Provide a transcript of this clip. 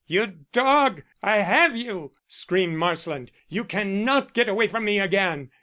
"You dog, I have you!" screamed Marsland. "You cannot get away from me again."